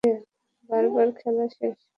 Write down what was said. বরাবর খেলা শেষ।